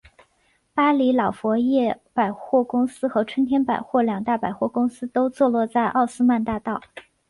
巴黎老佛爷百货公司和春天百货两大百货公司都坐落在奥斯曼大道。